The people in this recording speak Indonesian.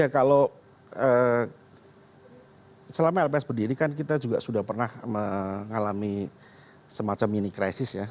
ya kalau selama lps berdiri kan kita juga sudah pernah mengalami semacam mini krisis ya